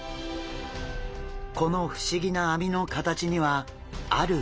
この不思議な網の形にはある理由が。